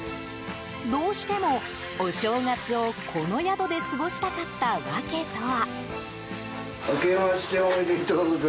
どうしてもお正月をこの宿で過ごしたかった訳とは。